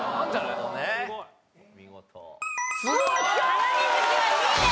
ハナミズキは２位です。